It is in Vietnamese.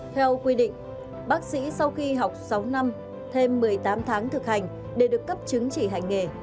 theo quy định bác sĩ sau khi học sáu năm thêm một mươi tám tháng thực hành để được cấp chứng chỉ hành nghề